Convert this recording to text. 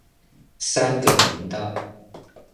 三個頻道